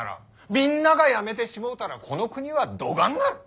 みんなが辞めてしもうたらこの国はどがんなる？